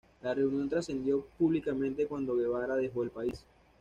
La reunión trascendió públicamente cuando Guevara dejó el país.